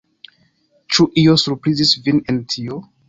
Ĉu io surprizis vin en tio?